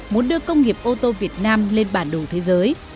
muốn đưa công nghiệp ô tô việt nam lên bản đồ thế giới